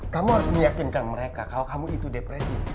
kamu harus meyakinkan mereka kalau kamu itu depresi